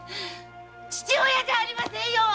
父親じゃありませんよ‼